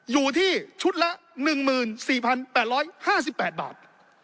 อยู่ที่ชุดละ๑๔๘๕๘บาท